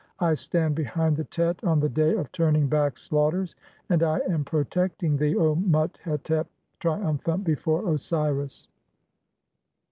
I stand behind the let on the day (4) of turning back "slaughters, (5) and I am protecting thee, O Mut hetep, (6) trium phant before Osiris."